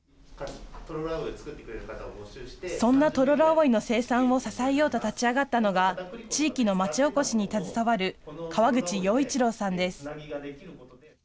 そんなトロロアオイの生産を支えようと立ち上がったのが、地域の町おこしに携わる川口洋一郎さんです。